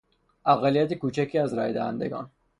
اقلیت کوچکی از رای دهندگان